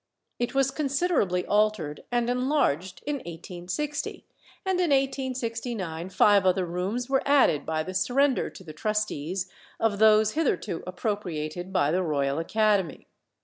It was considerably altered and enlarged in 1860, and in 1869 five other rooms were added by the surrender to the Trustees of those hitherto appropriated by the Royal Academy.